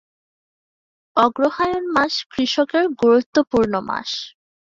অগ্রহায়ণ মাস কৃষকের গুরুত্বপূর্ণ মাস।